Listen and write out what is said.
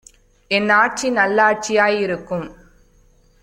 என்னாட்சி நல்லாட்சி யாயி ருக்கும்!